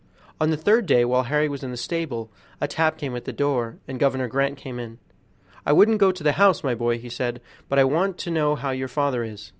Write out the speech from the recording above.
On the third day, while Harry was in the stable, a tap came at the door, and Governor Grant came in. "I wouldn't go to the house, my boy," he said, "but I want to know how your father is."